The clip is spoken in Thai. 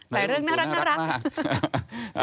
หลายเรื่องน่ารักน่ารัก